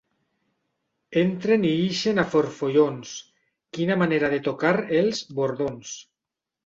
Entren i ixen a forfollons. Quina manera de tocar els... bordons.